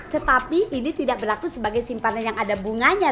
tetapi ini tidak berlaku sebagai simpanan yang ada bunganya